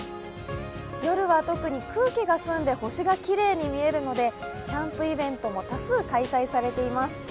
夜は特に空気が澄んで星がきれいに見えるのでキャンプイベントも多数開催されています。